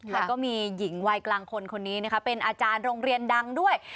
แล้วก็มีหญิงวัยกลางคนคนนี้นะคะเป็นอาจารย์โรงเรียนดังด้วย